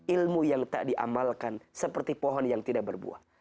ilmu yang tak diamalkan seperti pohon yang tidak berbuah